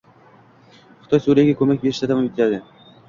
Xitoy Suriyaga ko‘mak berishda davom etading